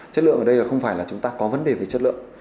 chất lượng ở đây không phải là chúng ta có vấn đề về chất lượng